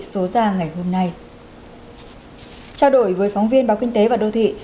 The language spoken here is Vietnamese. chào đổi với phóng viên báo kinh tế và đô thị